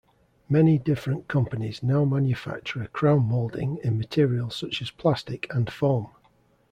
Many different companies now manufacture crown molding in materials such as plastic and foam.